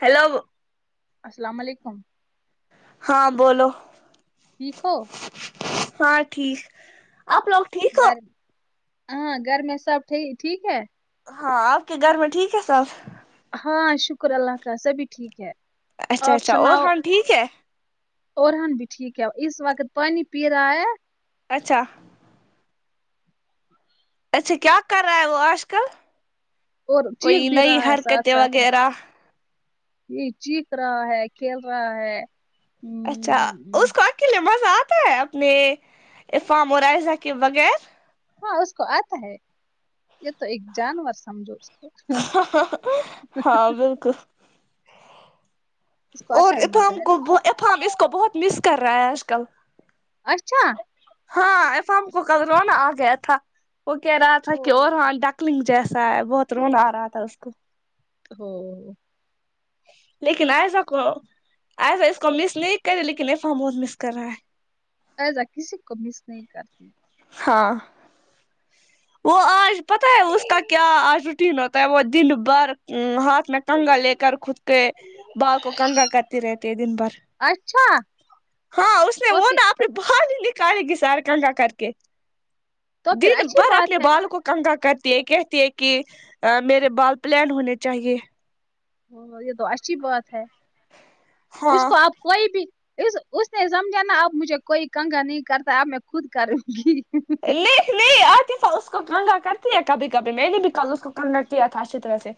hello السلام علیکم ہاں بولو ٹھیک ہو ہاں ٹھیک آپ ل گھر اں گھر میں سب ٹھ ٹھیک ہے ہاں آپ کے گھر میں ٹھیک ہے سب ہاں شکر ہے اللہ کا سبھی ٹھیک ہے اچھا آپ اچھا اور سناؤ ہاں ٹھیک ہے اورحان بھی ٹھیک ہے اس وقت پانی پی رہا ہے اچھا اچھا کیا کر رہا ہے وہ آج کل اور چیخ کوئی بھی نئی رہا ہے ساتھ حرکتیں ساتھ وغیرہ یہ چیخ رہا ہے کھیل رہا ہے اچھا ہ اس کو اکیلے مزہ آتا ہے اپنے افام اور عائزہ کے بغیر ہاں اس کو آتا ہے یہ تو ایک جانور سمجھو اسکو ه ه ہاں بالکل اس کو اور آتا ہے مزہ افام ہے کو نا افام اس کو بہت مس کر رہا ہے آج کل اچھا ہاں افام کو کل رونا آ گیا تھا وہ کہہ رہا تھا کہ ہو اور ہان ڈکلنگ جیسا ہے بہت رونا آ رہا تھا اس کو ھو لیکن عائزہ کو عا ئزہ اس کو مس نہیں کررہی لیکن افا م بہت مس کر رہا ہے عائزہ کسی کو مس نہیں کرتی ہاں وہ آج پتہ ہے اس کا کیا آج روٹین ہوتا ہے وہ دن بھر م ہاتھ میں کنگا لے کر خود کے بال کو کنگا کرتی رہتی ہے دن بھر اچھا ہاں اس نے تو وہ پھر نا اپنے بال ہی نکالے گی سارے کنگا کر کے تو پھر دن اچھی بھر اب بات ہے بالوں کو کنگا کرتی ہے کہتی ہے کہ میرے بال پلین ہونے چاہیے ہوں یہ تو اچھی بات ہے اس ہاں کو اب کوئی بھی اس اس نے سمجھا نا اب مجھے کوئی کنگا نہیں کرتا اب میں خود کروں گی لے لے عاطفہ اس کو کنگا کرتی ہے کبھی کبھی میں نے بھی کل اس کو کنگا کیا تھا اچھی طرح سے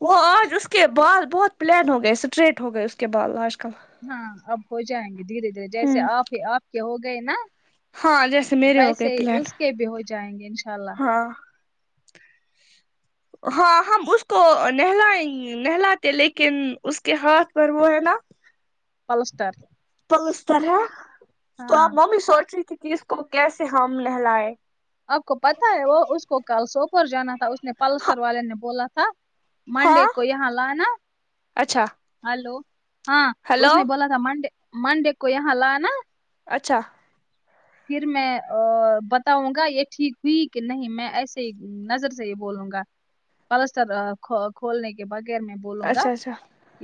وہ آج اس کے بال بہت پلین ہو گئے اسٹریٹ ہو گئے اس کے بال آج کل ہاں اب ہو جائیں گے دھیرے دھیرے جیسے ہوں آپ ہی آپ کے ہو گئے نا ہاں جیسے میرے ہو گئے ایسے ہی پلین اس کے بھی ہو جائیں گے انشاء اللہ ہاں ہاں ہم اس کو نہلا یں نہلاتے لیکن اس کے ہاتھ پر وہ ہے نا پلسٹر پلسٹر ہے تو ہاں اب میں بھی سوچ رہی تھی کہ اس کو کیسے ہم نہلائیں آپ کو پتہ ہے وہ اس کو کل سوپور جانا تھا اس نے پلسٹر والے نے بولا تھا ہاں منڈے کو یہاں لا نا اچھا ہلو ہاں ہیلو اس نے بولا ہاں منڈے منڈے کو یہاں لانا اچھا پھر میں ا بتاؤں گا یہ ٹھیک ہوئی کہ نہیں میں ایسے ہی نظر سے ہی بولوں گا پلسٹر کھ کھولنے کے بغیر میں بولوں گا اچھا اچھا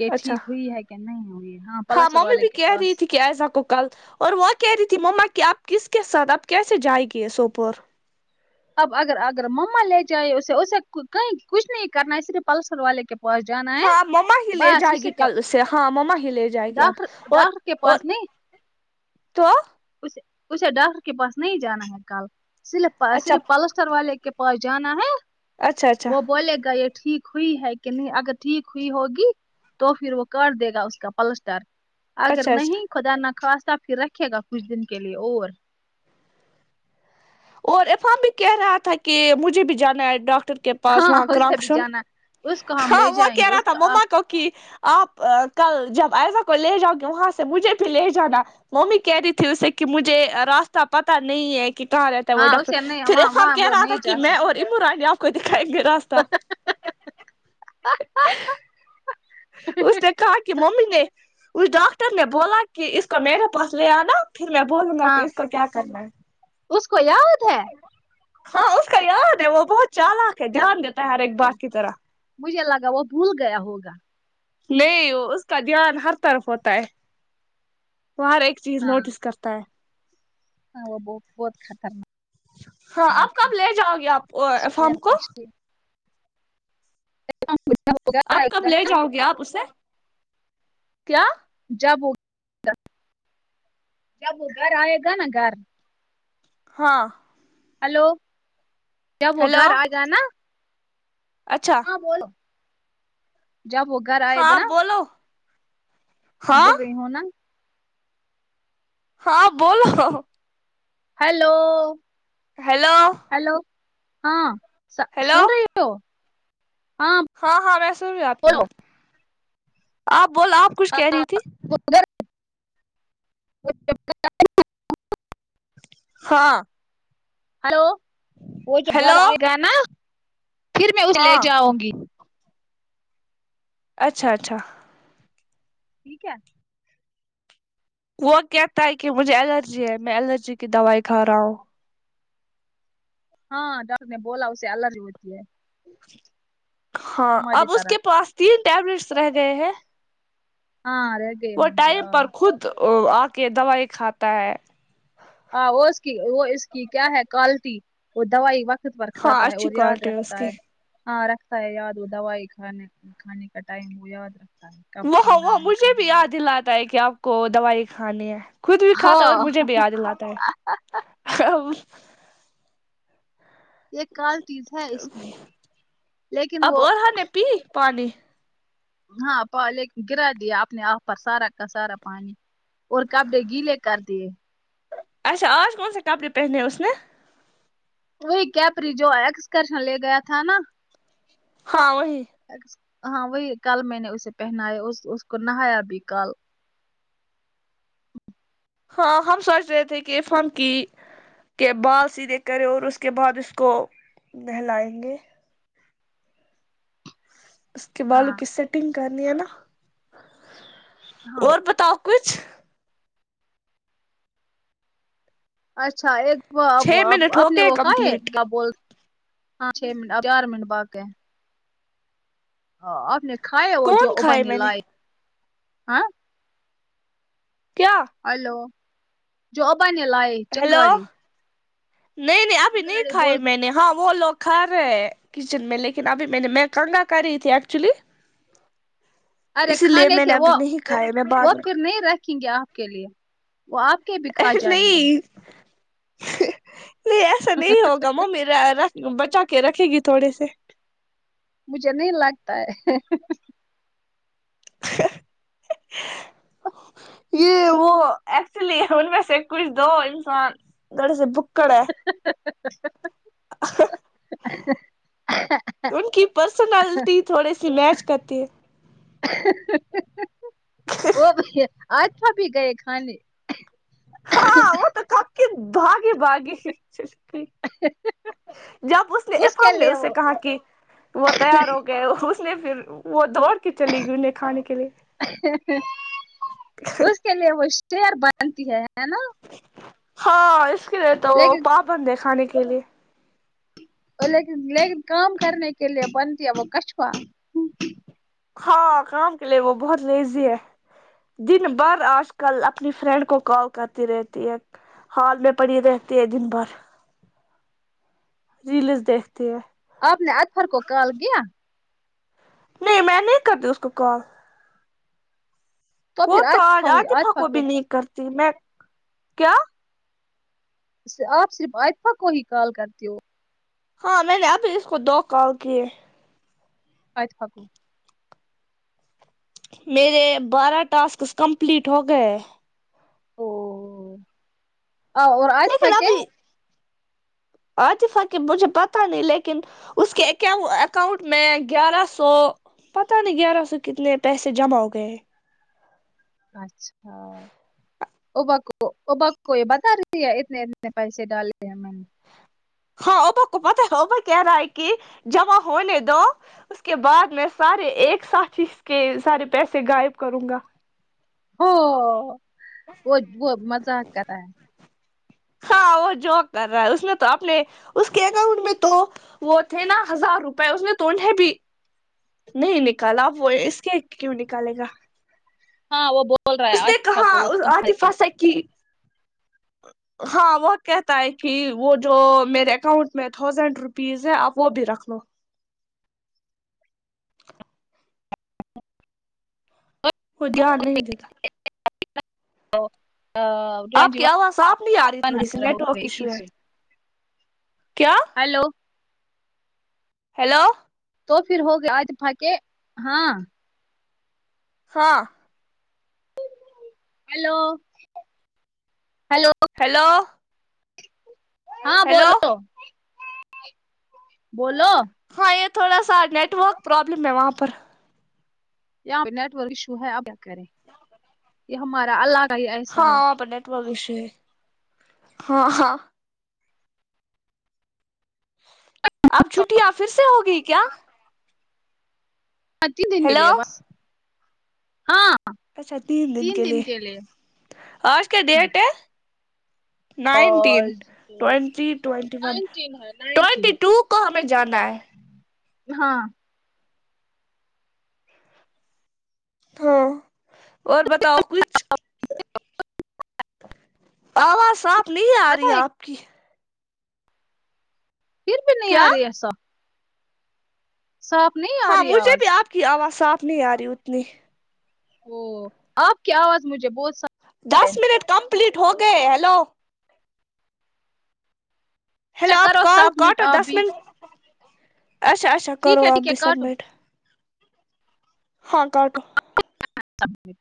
یہ اچھا ٹھیک ہوئی ہے کہ نہیں ہوئی ہاں پلسٹر ممی والے بھی کے کہہ رہی پاس تھی کہ عائزہ کو کل اور وہ کہہ رہی تھی مما کہ آپ کس کے ساتھ آپ کیسے جائے گی یہ سوپور اب اگر اگر مما لے جائے اسے اسے کہیں کچھ نہیں کرنا ہے صرف پلسٹر والے کے پاس جانا ہے ہاں مما ہی لے بس جائے گی کیا کل اسے ہاں مما ہی لے جائے گی اب ڈاکٹر اور ڈاکٹر کے اور پاس تو اسےاسے ڈاکٹر کے پاس نہیں جانا ہے کل صرف اچھا صرف پلس پلسٹر والے کے پاس جانا ہے اچھا اچھا وہ بولے گا یہ ٹھیک ہوئی ہے کہ نہیں اگر ٹھیک ہوئی ہوگی تو پھر وہ کر دے گا اس کا پلسٹر اگر اچھا اچھا نہیں خدا نخواستہ پھر رکھے گا کچھ دن کے لیے اور اور افام بھی کہہ رہا تھا کہ مجھے بھی جانا ہے ڈاک ٹر کے پاس ہاں وہاں اسے بھی کرکشن جانا اس کو ہم ہاں لے وہ جائیں کہہ گے رہا اس تھا کا مما آپ کو کہ آپ کل جب عائزا کو لے جاؤ گے وہاں سے مجھے بھی لے جانا ممی کہہ رہی تھی اسے کہ مجھے راستہ پتا نہیں ہے کہ کہاں رہ ٹا وہ ہاں ڈاکٹر اسے نہیں پھر وہاں افام وہاں کہہ وہ رہا تھا نہیں کہ جا میں سکتا اور عمران یاں کو دیکھائیں گے راستہ اس نے کہا کہ ممی نے اس ڈاکٹر نے بولا کہ اس کو میرے پاس لے آنا پھر میں بولوں گا ہاں کہ اس کو کیا کرنا ہے اس کو یاد ہے ہاں اس کا یاد ہے وہ بہت چالاک ہے دھیان دیتا ہے ہر ایک اوہ، بات کی طرح مجھے لگا وہ بھول گیا ہوگا نہیں اس کا دھیان ہر طرف ہوتا ہے وہ ہر ایک چیز ہاں نوٹس کر تا ہے ہاں وہ ب بہت خطرنا ہاں ناک آپ ہے کب لے جاؤ گے آپ چھٹ فارم گیا کو چھ [unintelligible] آپ کب لے جاؤ گے آپ اسے کیا جب و جب وہ گھر آئے گا نا گھر ہاں ہلو کیا وہ ہیلو گھر آ گیا نا اچھا ہاں بولو جب گھر آئے گا ہاں نا بولو ہاں بول رہی ہوں نا ہاں بولو ہیلو ہیلو ہیلو ہاں ہیلو سن رہی ہو ہاں ہاں میں سن رہی ہوں آپ کی بولو بات آپ بولو آپ کچھ کہہ رہی تھی اگر [unintelligible] ہاں ہلو وہ جو گھر ہیلو آئے گا نا پھر میں اسے لے ہاں جاؤں گی اچھا اچھا ٹھیک ہے وہ کہتا ہے کہ مجھے الرجی ہے میں الرجی کی دوائی کھا رہا ہوں ہاں ڈاکٹر نے بولا اس سے الرجی ہوتی ہے ہاں اب ہماری اس طرح کے پاس تین ٹیبلیٹس رہ گئے ہیں ہاں ر وہ ٹائم پر خود آ کے دوائی کھاتا ہے ہاں وہ اس کی وہ اس کی کیا ہے کالیٹی وہ دوائی وقت پر ہاں کھاتا ہے اچھی اور یاد کوالٹی اس رکھتا کی ہے ہاں رکھتا ہے یاد وہ دوائی کھانے کھانے کا ٹائم وہ یاد رکھتا ہے کب وہ کھانا وہ ہے مجھے کب بھی یاد نہیں دلاتا ہے کہ آپ کو دوائی کھانی ہے خود بھی کھاتا ہے اور ہاں مجھے بھی یاد دلاتا ہے یہ کالٹیز ہے اس میں لیکن اب وہ اورہ نے پی پانی ہاں پولیک گرا دیا آپ نے آپ پر سارا کا سارا پانی اور کپڑے گیلے کر دیے اچھا آج کون سا کپڑے پہنے اس میں وہی کیپری جو ایکسکرشن لے گیا تھا نا ہاں وہی ہاں وہی کل میں نے اسے پہنایا اس کو نہایا بھی کال ہ ہاں ہم سوچ رہے تھے کہ فرم کی کے بال سیدھے کریں اور اس کے بعد اس کو نہلائیں گے اس کے بالوں ہاں کی سیٹنگ کرنی ہے نا ہاں اور بتاؤ کچھ اچھا ایک اب چھ منٹ ہو آپ نے گئے وہ کھاںے کمپلیٹ کیا بولت ہاں چ منٹ ہار منٹ باق کے [unintelligible] آپ نے کھایا وہ جو کون ابیے کھائے نے میں لائے ہاں کیا ہلو جو آبانے لائے ہیلو چنگاڑی نہیں نہیں ابھی نہیں کھائے بول میں نے ہاں وہ لوگ کھا رہے ہیں کچن میں لیکن ابھی میں نے میں کنگا کری تھی ایکچولی ارے اسی لیے کھانے میں نے تھے وہ ابھی نہیں کھائے میں وہ بعد میں پھر نہیں رکھ دکھیں گے آپ کے لیے وہ آپ کے بھی کھا جائیں گے نہیں نہیں ایسا نہیں ہوگا ممی رہ رکھ بچا کے رکھے گی تھوڑے سے مجھے نہیں لگتا ہے حے حے یہ وہ ایکچولی ان میں سے کچھ دو انسان گھر میں بکڑ ہے [inaudible] [inaudible] ان کی پرسنالٹی تھوڑی سی میچ کرتی ہے اور کیا آج بھابی گئے کھانے میں کبکی باگے باگے تھی ا ح ا ح [inaudible] جب اس نے افام نے اسے کہا کہ وہ تیار ہو گئے اور لے پھر وہ دوڑ کے چلی گئی انہیں کھانے کے لیے اس کے لیے وہ شیر بنتی ہے ہے نا ہاں اس کے لیے تو وہ لیکن پابند ہے کھانے کے لیے لیکن لیکن کام کرنے کے لیے بنتی ہے وہ کشپہ ہاں کام کے لیے وہ بہت لیزی ہے دن بار آج کل اپنی فرینڈ کو کال کرتی رہتی ہے ہال میں پڑھی رہتی ہے دن بھر ریلز دیکھتے ہیں آپ نے اطھر کو کال کیا نہیں میں نہیں کرتی اس کو کال وہ پھر تو آج آجفا ہوئی عاطفہ آجفا کو بھی نہیں کرتی میں کیا آپ صرف آتفہ کو ہی کال کرتے ہو ہاں میں نے ابھی اس کو دو کال کیے اچھا میرے بارہ ٹاسکس کمپلیٹ ہو گئے آ اور عاطفہ لیکن کے ابھی عاطفہ کہ مجھے پتہ نہیں لیکن اس کے اک اکاؤنٹ میں گیارہ سو پتاہ نہیں گیارہ سو کتنے پیسے جمع ہو گئے اچھا او ابک کو یہ بتا رہی ہے اتنے اتنے پیسے ڈالے ہیں میں نے ہاں ا پوکو پتا ہے اپو کہہ رہا ہے کہ جمع ہونے دو اس کے بعد میں سارے ایک ساتھ اس کے سارے پیسے غائب کروں گا ہو وہ وہ مزاق کر رہا ہے ہاں وہ جوک کر رہا ہے اس میں تو اپنے اس کے اکاؤنٹ میں تو وہ تھے نا ہزار روپئے اس میں تو انھیں بھی نہیں نکالا آپ وہ اس کے کیوں نکالے گا ہاں وہ بو اس نے کہا عاتفا سے کی ہاں وہ کہتا ہے کہ وہ جو میرے اکاؤنٹ میں تھاؤزینڈ روپیز ہے آپ وہ بھی رکھ لو وہ جاد نہیں دیتا [inaudible] آپ کی آواز صاف نہیں آ رہی ون تھوڑی سی ہنڈریڈ ہو نیٹورک گئے ایشو اکیس ہے سو کیا ہیلو ہیلو تو پھر ہوگیا آج پھا کے ہاں ہاں ہیلو ہیلو ہیلو ہاں ہیلو بولو بولو ہاں یہ تھوڑا سا نیٹ ورک پروابلم ہے وہاں پر یہاں پہ نیٹورک ایشو ہے اب کیا کریں یہ ہمارا ال ہاں یہاں پہ نیٹورک ایشو ہے ہاں ہاں اب چھٹیاں پھر سے ہوگی کیا بس تین دن کے ہیلو لیے بس ہاں اچھا تین دن کے لیے آج کیا ہاں ڈیٹ ہے اور nineteen twenty twenty one nineteen ہے نائنٹین ٹیونٹی ٹو کو ہمیں جانا ہے ہاں ہاں اور بتاؤ کچھ آواز صاف نہیں آ رہی پتا ہے آپ کی پھر بھی نہیں کیا آ رہی صاف صاف نہیں آ ہاں رہی مجھے بھی آواز آپ کی آواز صاف نہیں آ رہی اتنی آپ کی آواز مجھے بہت صا دس منٹ کمپلیٹ ہو گئے ہیلو اچھا ہیلو آپ کرو کال سبمٹ کاٹو آپ دس بھی منٹ اچھا اچھا ٹھیک کرو ہے آپ ٹھیک ہے بھی کاٹو سبمٹ ہاں کاٹو سمیٹ